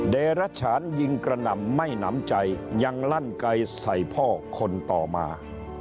เดรัชฉานยิงกระหน่ำไม่หนำใจยังลั่นไกลใส่พ่อคนต่อมา